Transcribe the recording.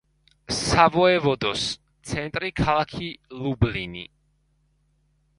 სავოევოდოს ცენტრი ქალაქი ლუბლინი.